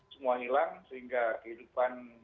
semua hilang sehingga kehidupan